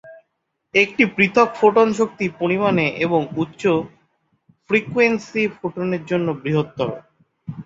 একটি পৃথক ফোটন শক্তি পরিমাণে এবং উচ্চ ফ্রিকোয়েন্সি ফোটন জন্য বৃহত্তর।